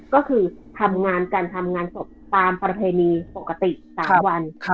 ก็คือทำงานกันทำงานศพตามประเพณีปกติ๓วัน